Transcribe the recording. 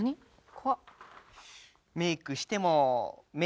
怖っ。